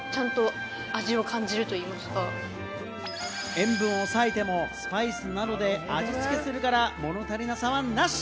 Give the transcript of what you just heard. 塩分を抑えてもスパイスなどで味付けするから、物足りなさはなし。